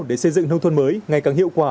để xây dựng nông thôn mới ngày càng hiệu quả